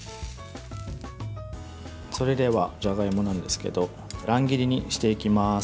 それでは、じゃがいもですが乱切りにしていきます。